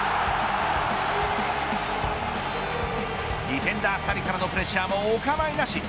ディフェンダー２人からのプレッシャーもお構いなし。